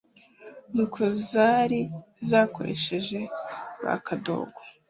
nk'uko zari zakoresheje ba Kadogo,